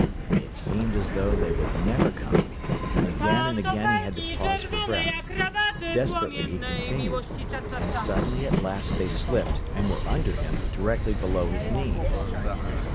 It seemed as though they would never come, and again and again he had to pause for breath. Desperately he continued, and suddenly at last they slipped, and were under him, directly below his knees.